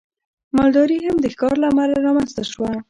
مالداري هم د ښکار له امله رامنځته شوه.